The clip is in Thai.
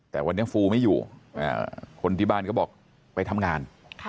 แต่วันนี้ฟูไม่อยู่คนที่บ้านก็บอกไปทำงาน